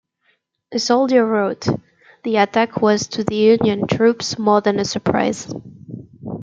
A soldier wrote, The attack was to the Union troops more than a surprise.